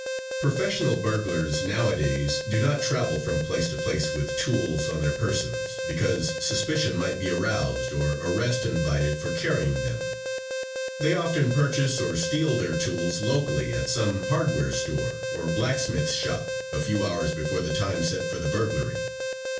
Professional burglars nowadays do not travel from place to place with tools on their persons, because suspicion might be aroused or arrest invited for carrying them. They often purchase or steal their tools locally at some hardware store or blacksmith's shop a few hours before the time set for the burglary.